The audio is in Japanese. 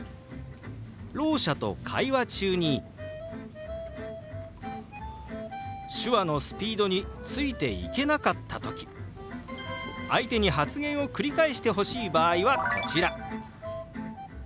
ろう者と会話中に手話のスピードについていけなかった時相手に発言を繰り返してほしい場合はこちら。